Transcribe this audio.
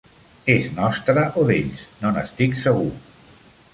Es nostre o d'ells, no n'estic segur.